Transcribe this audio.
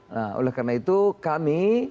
nah oleh karena itu kami